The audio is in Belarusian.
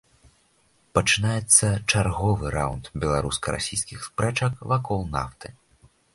Пачынаецца чарговы раўнд беларуска-расійскіх спрэчак вакол нафты.